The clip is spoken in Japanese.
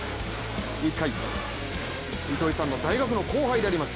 １回、糸井さんの大学の後輩であります